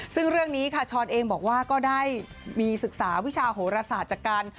ซึ่งเรื่องนี้ค่ะชร์นเองบอกว่าก็ได้มีศึกษาวิชาโหรสาชกัน